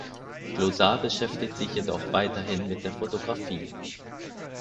Clouzard beschäftigt sich jedoch weiterhin mit der Fotografie.